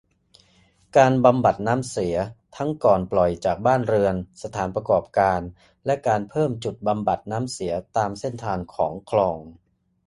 การบำบัดน้ำเสียทั้งก่อนปล่อยจากบ้านเรือน สถานประกอบการ และ การเพิ่มจุดบำบัดน้ำเสียตามเส้นทางของคลอง